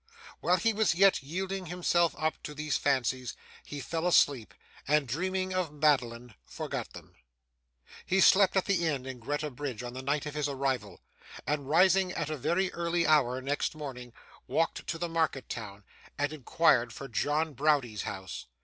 While he was yet yielding himself up to these fancies he fell asleep, and, dreaming of Madeline, forgot them. He slept at the inn at Greta Bridge on the night of his arrival, and, rising at a very early hour next morning, walked to the market town, and inquired for John Browdie's house.